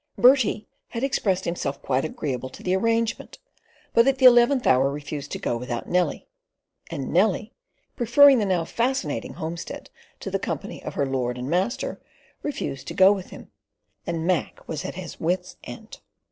Bertie had expressed himself quite agreeable to the arrangement, but at the eleventh hour refused to go without Nellie; and Nellie, preferring the now fascinating homestead to the company of her lord and master, refused to go with him, and Mac was at his wits' end.